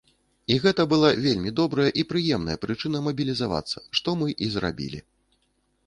І гэта была вельмі добрая і прыемная прычына мабілізавацца, што мы і зрабілі.